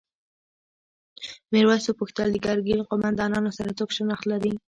میرويس وپوښتل د ګرګین قوماندانانو سره څوک شناخت لري؟